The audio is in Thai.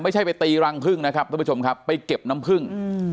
ไม่ใช่ไปตีรังพึ่งนะครับทุกผู้ชมครับไปเก็บน้ำผึ้ง